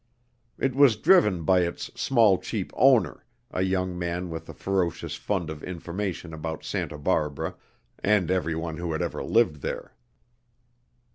It was driven by its small, cheap owner, a young man with a ferocious fund of information about Santa Barbara, and every one who had ever lived there.